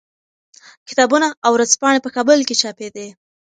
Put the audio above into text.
کتابونه او ورځپاڼې په کابل کې چاپېدې.